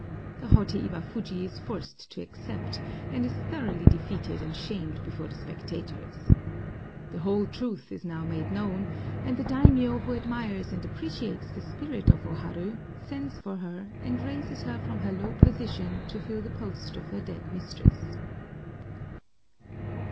The haughty Iwafuji is forced to accept, and is thoroughly defeated and shamed before the spectators. The whole truth is now made known, and the daimiō, who admires and appreciates the spirit of O Haru, sends for her, and raises her from her low position to fill the post of her dead mistress.